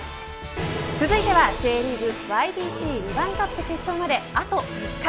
続いてはＪリーグＹＢＣルヴァンカップ決勝まであと３日。